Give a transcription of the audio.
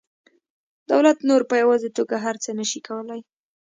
دولت نور په یوازې توګه هر څه نشي کولی